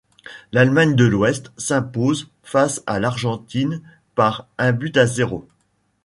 L'Allemagne de l'Ouest s'impose face à l'Argentine par un but à zéro.